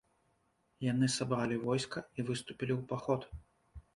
Яны сабралі войска і выступілі ў паход.